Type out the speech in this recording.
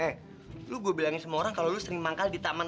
eh lu gue bilangin semua orang kalau lu sering manggal di taman